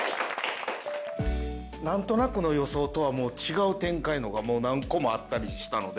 なんとなくの予想とは違う展開のがもう何個もあったりしたので。